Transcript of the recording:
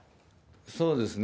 そうですね。